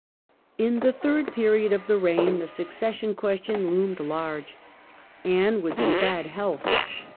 In the third period of the reign the Succession question loomed large. Anne was in bad health.